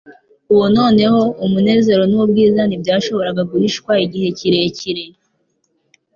Ubu noneho, umunezero n'ubwiza ntibyashoboraga guhishwa igihe kirekire.